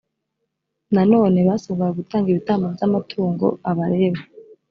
nanone basabwaga gutanga ibitambo by amatungo abalewi